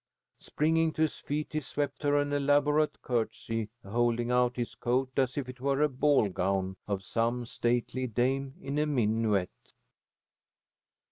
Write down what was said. Springing to his feet, he swept her an elaborate curtsey, holding out his coat as if it were the ball gown of some stately dame in a minuet.